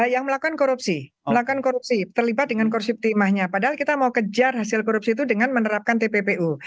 yang melakukan korupsi melakukan korupsi terlibat dengan korupsimahnya padahal kita mau kejar hasil korupsi itu dengan menerapkan tppu